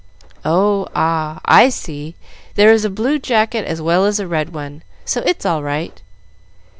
"Oh, ah! I see! There is a blue jacket as well as a red one, so it's all right.